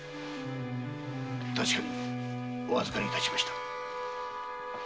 確かにお預かり致しました。